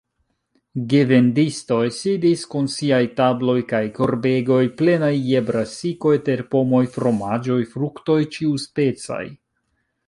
Gevendistoj sidis kun siaj tabloj kaj korbegoj plenaj je brasikoj, terpomoj, fromaĝoj, fruktoj ĉiuspecaj.